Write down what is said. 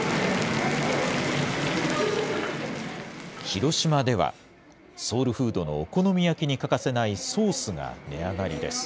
広島では、ソウルフードのお好み焼きに欠かせないソースが値上がりです。